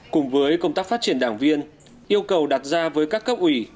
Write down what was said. cùng với công tác phát triển đảng viên yêu cầu đặt ra với các cấp ủy